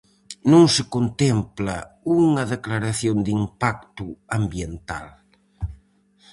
Non se contempla unha declaración de impacto ambiental.